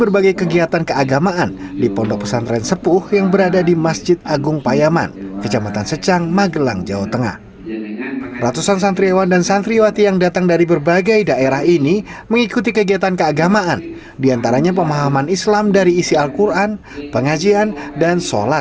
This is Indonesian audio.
bagaimana tidak selama bulan suci ramadan ratusan santri yang berusia lanjut masih bersemangat menimba ilmu agama